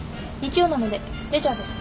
日曜なのでレジャーです。